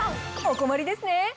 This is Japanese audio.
お困りですね？